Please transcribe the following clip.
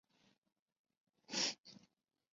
雄雌异株。